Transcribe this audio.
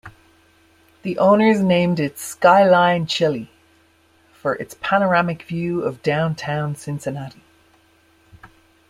The owners named it Skyline Chili for its panoramic view of downtown Cincinnati.